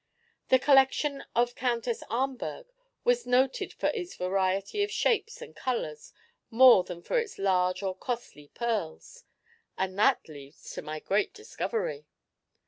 The collection of Countess Ahmberg was noted for its variety of shapes and colors more than for its large or costly pearls; and that leads to my great discovery."